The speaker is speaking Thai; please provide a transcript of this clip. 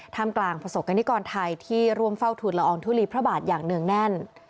กลางประสบกรณิกรไทยที่ร่วมเฝ้าทุนละอองทุลีพระบาทอย่างเนื่องแน่น